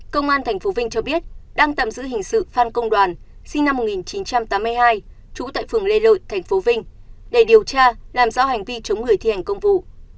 công an tp vinh cho biết đang tạm giữ hình sự phan công đoàn sinh năm một nghìn chín trăm tám mươi hai trú tại phường lê lợi tp vinh để điều tra làm rõ hành vi chống người thi hành công vụ